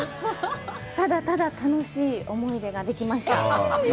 ただただ楽しい思い出ができました。